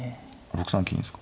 ６三金ですか？